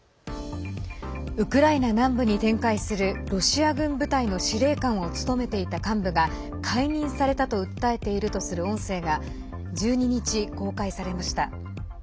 ウクライナ南部に展開するロシア軍部隊の司令官を務めていた幹部が解任されたと訴えているとする音声が１２日、公開されました。